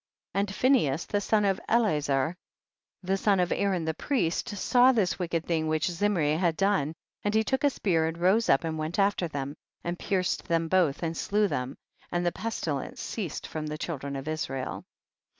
63. And Phineas the son of Ela zer, the son of Aaron the priest, saw this wicked thing which Zimri had done, and he took a spear and rose up and went after them, and pierced them both and slew them, and the pestilence ceased from the children of Israel.